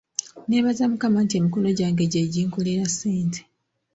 Nneebaza Mukama nti emikono gyange gye ginkolera ssente.